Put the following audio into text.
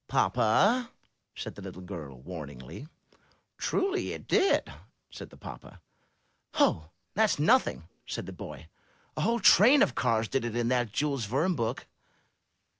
'* ^Tapa!" said the little girl, warningly. 'Truly it did," said the papa. ''Ho, that's nothing," said the boy. "A whole train of cars did it in that Jules Verne book."